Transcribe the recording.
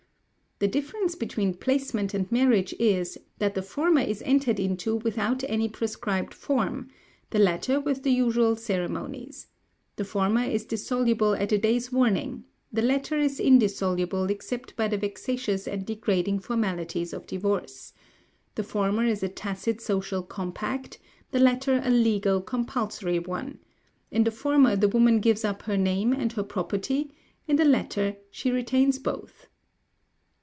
_ "The difference between placement and marriage is, that the former is entered into without any prescribed form, the latter with the usual ceremonies: the former is dissoluble at a day's warning, the latter is indissoluble except by the vexatious and degrading formalities of divorce; the former is a tacit social compact, the latter a legal compulsory one; in the former the woman gives up her name and her property; in the latter, she retains both.